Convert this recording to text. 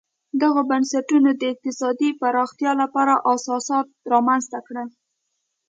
دغو بنسټونو د اقتصادي پراختیا لپاره اساسات رامنځته کړل.